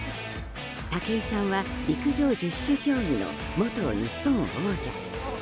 武井さんは陸上・十種競技の元日本王者。